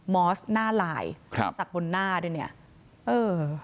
อสหน้าลายครับสักบนหน้าด้วยเนี่ยเออ